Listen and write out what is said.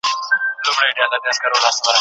وچې سولې اوښکي ګرېوانونو ته به څه وایو